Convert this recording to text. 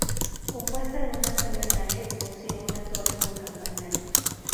Compuesta de una sola nave, posee una torre con campanario.